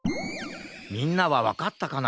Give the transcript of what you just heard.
みんなはわかったかな？